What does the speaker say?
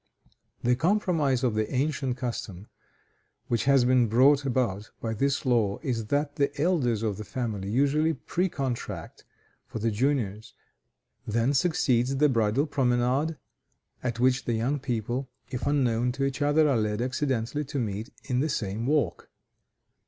The compromise of the ancient custom which has been brought about by this law is that the elders of the family usually pre contract for the juniors: then succeeds the bridal promenade, at which the young people, if unknown to each other, are led accidentally to meet in the same walk.